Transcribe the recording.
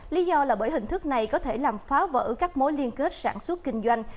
lý do là bởi hình thức này có thể làm phá vỡ các mối liên kết sản xuất kinh doanh